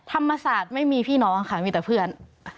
ธรรมศาสตร์ไม่มีพี่น้องค่ะมีแต่เพื่อน